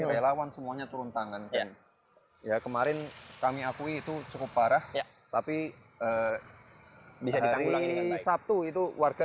relawan semuanya turun tangan ya kemarin kami akui itu cukup parah tapi bisa hari sabtu itu warga